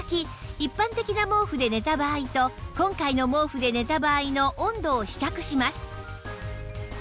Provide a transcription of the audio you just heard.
一般的な毛布で寝た場合と今回の毛布で寝た場合の温度を比較します